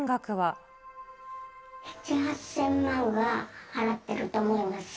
７、８０００万は払っていると思います。